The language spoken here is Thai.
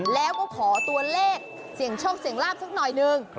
แล้วก็ขอตัวเลขเสี่ยงโชคเสี่ยงลาบสักหน่อยหนึ่ง